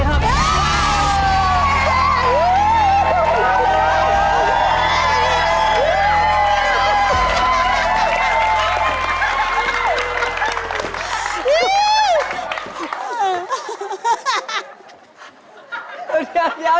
ได้ครับ